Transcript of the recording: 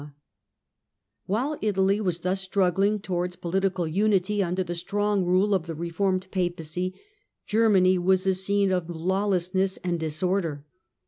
Affairs of While Italy was thus struggling towards political unity under the strong rule of the reformed Papacy, Germany was a scene of lawlessness and disorder.